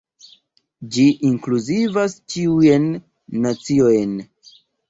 Ĝi inkluzivas ĉiujn naciojn.